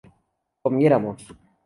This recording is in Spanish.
comiéramos